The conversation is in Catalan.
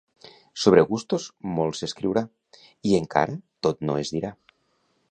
Sobre gustos molt s'escriurà i encara tot no es dirà.